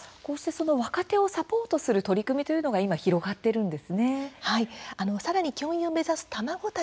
若手をサポートする取り組みが今広がっているんですね。